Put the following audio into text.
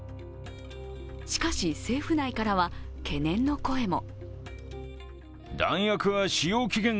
しかし、政府内からは懸念の声も。